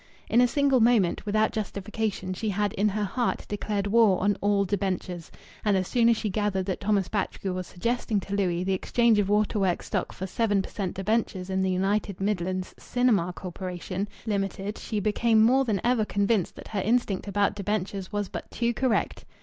In a single moment, without justification, she had in her heart declared war on all debentures. And as soon as she gathered that Thomas Batchgrew was suggesting to Louis the exchange of waterworks stock for seven per cent. debentures in the United Midland Cinemas Corporation, Limited, she became more than ever convinced that her instinct about debentures was but too correct.